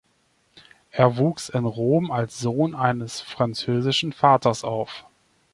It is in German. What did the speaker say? Er wuchs in Rom als Sohn eines französischen Vaters auf.